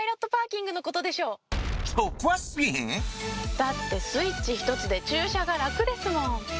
だってスイッチひとつで駐車が楽ですもん。